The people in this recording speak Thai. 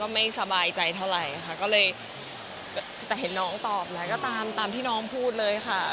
ไม่สบายใจเท่าไหร่ค่ะก็เลยแต่เห็นน้องตอบแล้วก็ตามตามที่น้องพูดเลยค่ะ